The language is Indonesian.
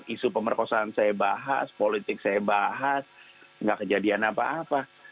isu pemerkosaan saya bahas politik saya bahas nggak kejadian apa apa